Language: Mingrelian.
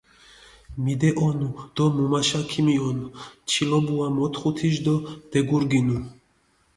მიდეჸონუ დო მუმაშა ქიმიჸონ, ჩილობუა მოთხუ თიში დო დეგურგინუ.